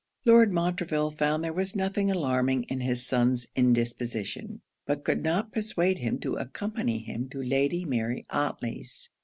Lord Montreville found there was nothing alarming in his son's indisposition; but could not persuade him to accompany him to Lady Mary Otley's.